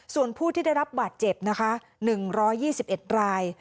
ส่วนผู้ที่ได้รับบาดเจ็บนะคะ๑๒๑ราย